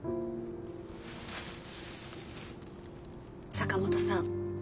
坂本さん